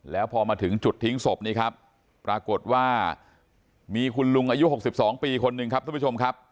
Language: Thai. แล้วพอมาถึงจุดทิ้งศพนี้ครับปรากฏว่ามีคุณลุงอายุ๖๒ปีคนหนึ่งครับทุกผู้ชมครับ